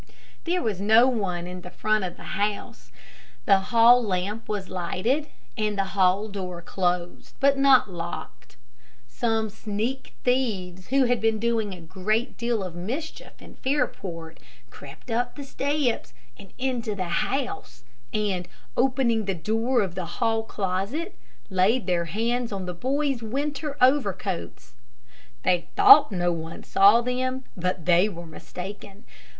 There was no one in the front of the house. The hall lamp was lighted, and the hall door closed, but not locked. Some sneak thieves, who had been doing a great deal of mischief in Fairport, crept up the steps and into the house, and, opening the door of the hall closet, laid their hands on the boys' winter overcoats. They thought no one saw them, but they were mistaken.